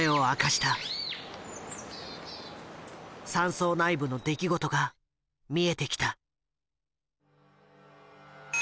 山荘内部の出来事が見えてきた。